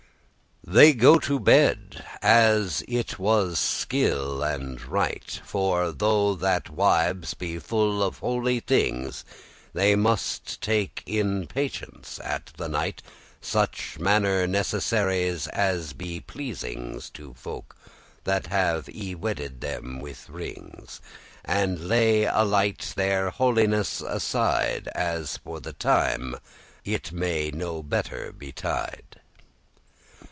They go to bed, as it was skill* and right; *reasonable For though that wives be full holy things, They muste take in patience at night Such manner* necessaries as be pleasings *kind of To folk that have y wedded them with rings, And lay *a lite* their holiness aside *a little of* As for the time, it may no better betide.